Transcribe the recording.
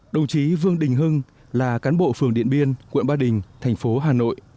đồng chí vương đình hưng là cán bộ phường điện biên quận ba đình thành phố hà nội